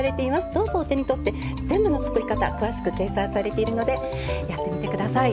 どうぞお手にとって全部の作り方詳しく掲載されているのでやってみてください。